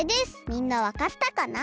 みんなわかったかな？